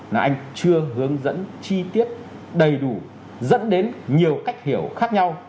là anh chưa hướng dẫn chi tiết đầy đủ dẫn đến nhiều cách hiểu khác nhau